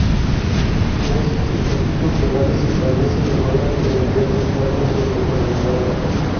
En esos estatutos legales se establecen los órganos de gobierno interno y sus responsabilidades.